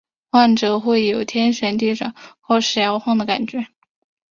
患者会有天旋地转或是摇晃的感觉。